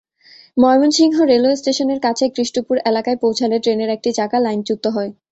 Mymensingh railway স্টেশনের কাছে কৃষ্টপুর এলাকায় পৌঁছালে ট্রেনের একটি চাকা লাইনচ্যুত হয়।